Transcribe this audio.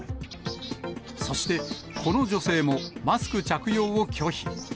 そして、この女性もマスク着用を拒否。